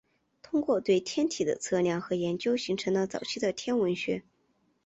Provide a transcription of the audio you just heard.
通过对天体的测量和研究形成了早期的天文学。